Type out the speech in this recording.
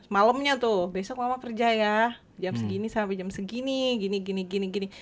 malemnya tuh besok mama kerja ya jam segini sampai jam segini gini gini gini gini